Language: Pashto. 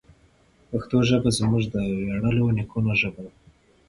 پښتو ژبه زموږ د ویاړلو نیکونو ژبه ده.